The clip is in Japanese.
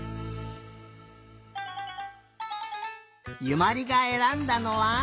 ゆまりがえらんだのは？